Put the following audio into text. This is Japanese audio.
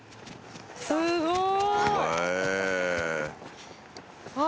すごい！